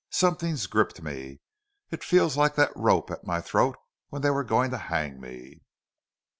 Something's gripped me. It feels like that rope at my throat when they were going to hang me."